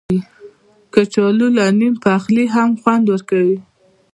کچالو له نیم پخلي هم خوند ورکوي